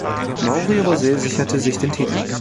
Mauri Rose sicherte sich den Titel.